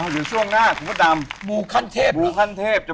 อเรนนี่มากบุคั่นเทพนะ